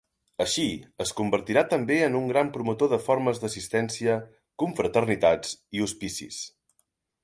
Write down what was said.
Així, es convertirà també en un gran promotor de formes d'assistència, confraternitats i hospicis.